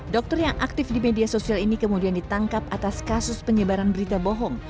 dokter yang aktif di media sosial ini kemudian ditangkap atas kasus penyebaran berita bohong